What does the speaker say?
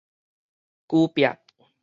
龜壁